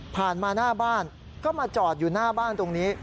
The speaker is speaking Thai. ผ่านมาหน้าบ้านก็มาจอดอยู่หน้าบ้านตรงนี้